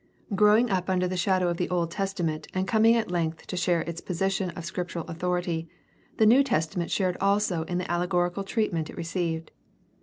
Growing up under the shadow of the Old Testament and coming at length to share its position of scriptural authority, the New Testament shared also in the allegorical treatment it received.